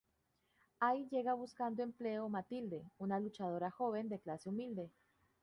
Ahí llega buscando empleo Matilde, una luchadora joven de clase humilde.